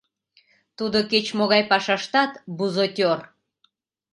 Тудо кеч-могай пашаштат бузотёр!